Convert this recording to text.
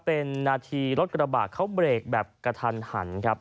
เป็นนาธิรถกระบะเขาเบรกแบบกระทัน